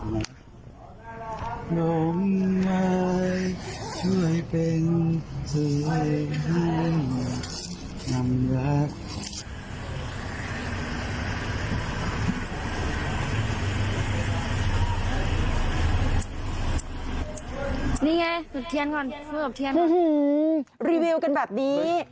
นี่ไงสุดเทียนก่อนสู้กับเทียนก่อนฮือฮือรีวิวกันแบบนี้